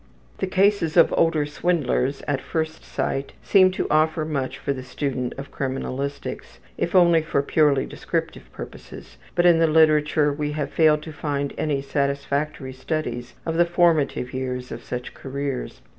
The cases of older swindlers at first sight seem to offer much for the student of criminalistics, if only for purely descriptive purposes, but in the literature we have failed to find any satisfactory studies of the formative years of such careers.